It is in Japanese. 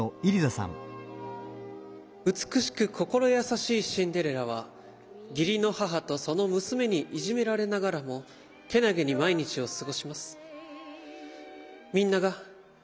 「美しく心優しいシンデレラは義理の母とその娘にいじめられながらもけなげに毎日を過ごします」。